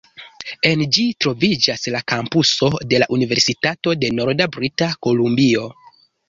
En ĝi troviĝas la kampuso de la Universitato de Norda Brita Kolumbio.